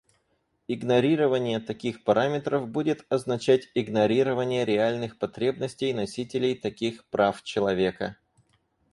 Игнорирование таких параметров будет означать игнорирование реальных потребностей носителей таких прав человека.